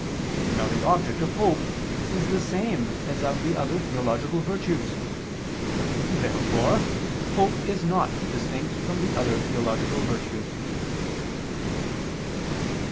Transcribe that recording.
Now the object of hope is the same as of the other theological virtues. Therefore hope is not distinct from the other theological virtues.